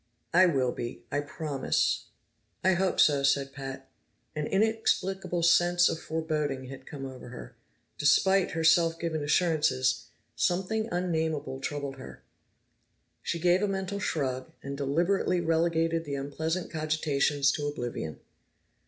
"I will be. I promise." "I hope so," said Pat. An inexplicable sense of foreboding had come over her; despite her self given assurances, something unnameable troubled her. She gave a mental shrug, and deliberately relegated the unpleasant cogitations to oblivion.